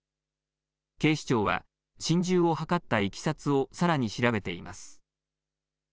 警視庁は心中を図ったいきさつをさらに調べています。